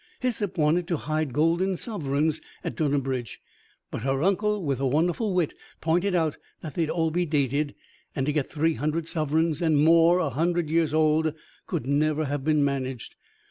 Hyssop wanted to hide golden sovereigns at Dunnabridge; but her uncle, with wonnerful wit, pointed out that they'd all be dated; and to get three hundred sovereigns and more a hundred years old could never have been managed.